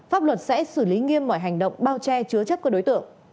pháp luật sẽ xử lý nghiêm mọi hành động bao che chứa chất của đối tượng